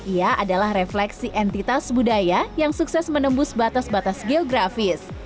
ia adalah refleksi entitas budaya yang sukses menembus batas batas geografis